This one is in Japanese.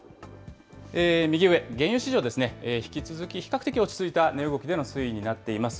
右上、原油市場ですね、引き続き比較的落ち着いた値動きでの推移になっています。